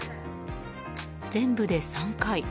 全部で３回。